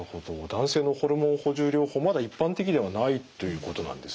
男性のホルモン補充療法まだ一般的ではないということなんですね。